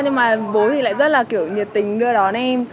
nhưng mà bố thì lại rất là kiểu nhiệt tình đưa đón em